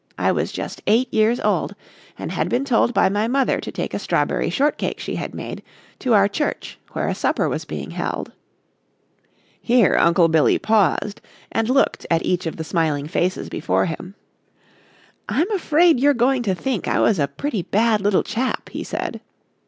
I was just eight years old, and had been told by my mother to take a strawberry shortcake she had made, to our church where a supper was being held." Here Uncle Billy paused and looked at each of the smiling faces before him. "I'm afraid you're going to think I was a pretty bad little chap," he said.